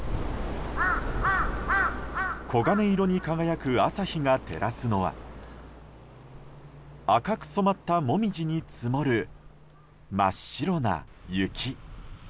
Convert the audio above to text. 黄金色に輝く朝日が照らすのは赤く染まったモミジに積もる真っ白な雪。